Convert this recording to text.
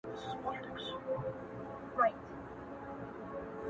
او لوړ رتبه مامورينو هورې.